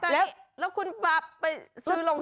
แล้วคุณปราบไปซื้อโรงทบ